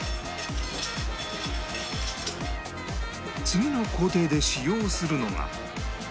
次の工程で使用するのが